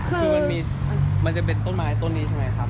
คือมันจะเป็นต้นไม้ต้นนี้ใช่ไหมครับ